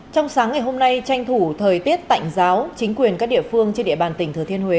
trong sáng ngày hôm nay tranh thủ thời tiết tạnh giáo chính quyền các địa phương trên địa bàn tỉnh thừa thiên huế